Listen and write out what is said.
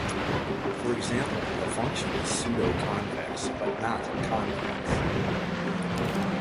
For example, the function is pseudoconvex but not convex.